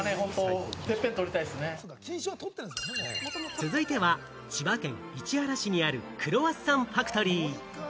続いては、千葉県市原市にあるクロワッサンファクトリー。